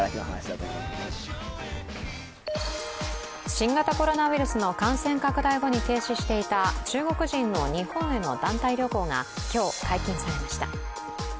新型コロナウイルスの感染拡大後に停止していた中国人の日本への団体旅行が今日、解禁されました。